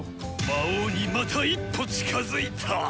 魔王にまた一歩近づいた！